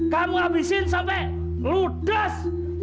kamu habisin sampai ludas